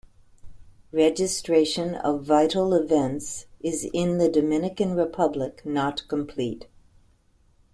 Registration of vital events is in the Dominican Republic not complete.